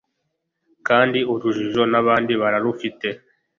kandi urujijo nabandi bararufite